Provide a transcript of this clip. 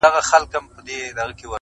• و تیارو ته مي له لمره پیغام راوړ..